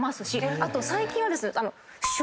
あと最近はですね。